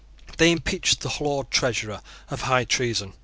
They impeached the Lord Treasurer of high treason.